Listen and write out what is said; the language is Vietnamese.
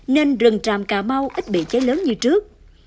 nên rừng tràm cà mau ít bị cháy lớn như trước